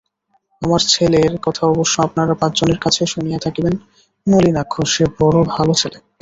আমার ছেলের কথা অবশ্য আপনারা পাঁচজনের কাছে শুনিয়া থাকিবেন-নলিনাক্ষ— সে বড়ো ভালো ছেলে।